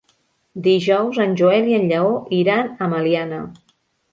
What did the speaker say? Dijous en Joel i en Lleó iran a Meliana.